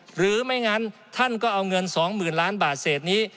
หรือไม่งั้นท่านก็เอาเงิน๒๐๐๐ล้านบาทเศษนี้